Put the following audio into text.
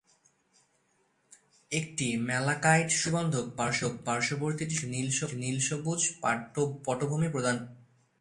একটি ম্যালাকাইট সবুজ প্রতিবন্ধক পার্শ্ববর্তী টিস্যুতে একটি নীল-সবুজ পটভূমি প্রদান করে।